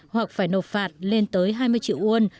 hoặc phải nộp phạt lên tới hai mươi triệu won